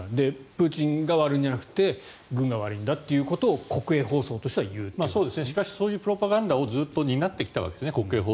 プーチンが悪いんじゃなくて軍が悪いんだということをそういうプロパガンダをずっと担ってきたわけです。